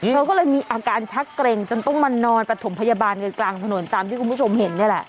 เธอก็เลยมีอาการชักเกร็งจนต้องมานอนปฐมพยาบาลกันกลางถนนตามที่คุณผู้ชมเห็นนี่แหละ